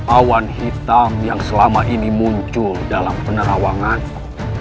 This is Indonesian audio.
awan hitam yang selama ini muncul dalam penerawangan